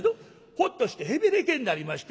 ホッとしてへべれけになりましてね。